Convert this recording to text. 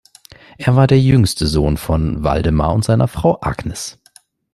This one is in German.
Er war der jüngste Sohn von Waldemar und seiner Frau Agnes.